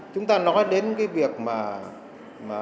chúng ta nói đến cái việc mà